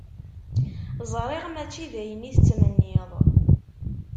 Ẓriɣ mačči d ayen i tettmenniḍ.